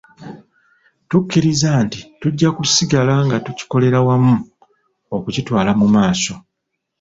Tukkiriza nti tujja kusigala nga tukolera wamu okukitwala mu maaso.